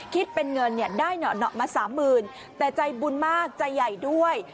คิดเป็นเงินเนี่ยได้เหนาะมา๓๐๐๐แต่ใจบุญมากใจใหญ่ด้วย